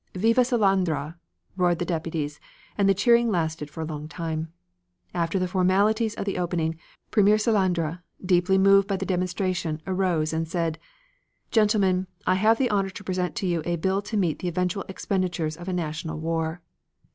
"Viva Salandra!" roared the Deputies, and the cheering lasted for a long time. After the formalities of the opening, Premier Salandra, deeply moved by the demonstration, arose and said: "Gentlemen, I have the honor to present to you a bill to meet the eventual expenditures of a national war."